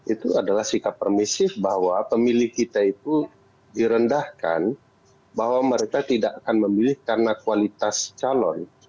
itu adalah sikap permisif bahwa pemilih kita itu direndahkan bahwa mereka tidak akan memilih karena kualitas calon